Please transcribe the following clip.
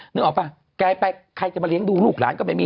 นึกออกป่ะแกไปใครจะมาเลี้ยงดูลูกหลานก็ไม่มี